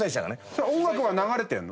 それ音楽は流れてるの？